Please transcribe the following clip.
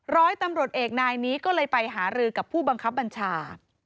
ร้อยตำรวจเอกนายนี้ก็เลยไปหารือกับผู้บังคับบัญชา